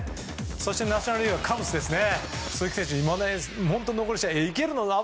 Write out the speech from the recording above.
そして、ナショナル・リーグはカブスですね。